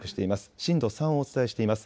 震度３をお伝えしています。